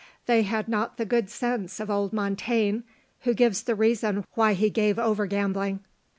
They had not the good sense of old Montaigne, who gives the reason why he gave over gaming.